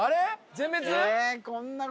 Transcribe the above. ・全滅？